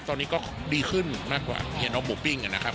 ตอนนี้ก็ดีขึ้นมากกว่าเฮียน้องหมูปิ้งนะครับ